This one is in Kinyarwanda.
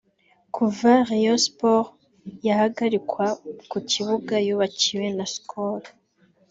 Kuva Rayon Sports yahagarikwa ku kibuga yubakiwe na Skol